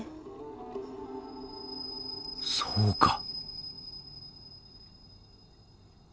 そうか！